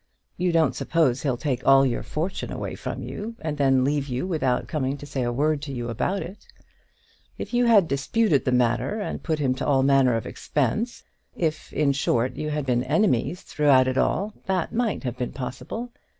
You don't suppose he'll take all your fortune away from you, and then leave you without coming to say a word to you about it? If you had disputed the matter, and put him to all manner of expense; if, in short, you had been enemies through it all, that might have been possible.